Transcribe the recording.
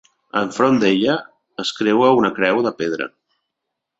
Enfront d'ella es creua una creu de pedra.